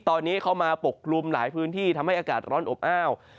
ตอนนี้เข้ามาปกกลุ่มหลายพื้นที่ทำให้อากาศร้อนอบอ้าว